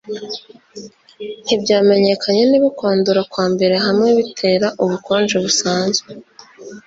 Ntibyamenyekanye niba kwandura kwambere hamwe bitera ubukonje busanzwe –